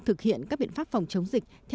thực hiện các biện pháp phòng chống dịch